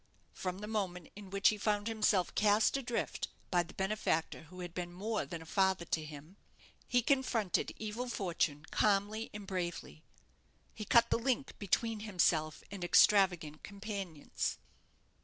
From the moment in which he found himself cast adrift by the benefactor who had been more than a father to him, he confronted evil fortune calmly and bravely. He cut the link between himself and extravagant companions.